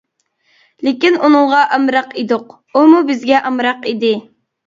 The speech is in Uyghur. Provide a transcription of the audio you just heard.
لېكىن ئۇنىڭغا ئامراق ئىدۇق، ئۇمۇ بىزگە ئامراق ئىدى.